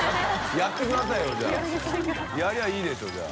笋蠅磴いいでしょじゃあ。